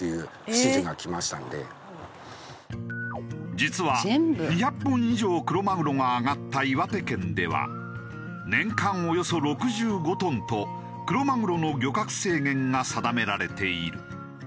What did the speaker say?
実は２００本以上クロマグロが揚がった岩手県では年間およそ６５トンとクロマグロの漁獲制限が定められている。